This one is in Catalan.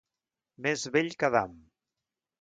Més vell que Adam.